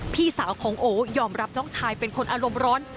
พี่สาวของโอยอมรับน้องชายเป็นคนอารมณ์ร้อน